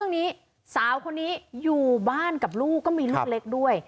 นี้สาวคนนี้อยู่บ้านกับลูกก็มีลูกเล็กด้วย